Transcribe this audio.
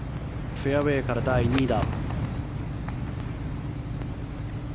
フェアウェーから第２打。